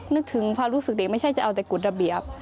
นึกถึงความรู้สึกเด็กไม่ใช่จะเอาแต่กฎระเบียบ